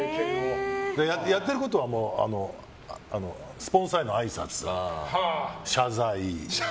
やっていることはスポンサーへのあいさつ謝罪。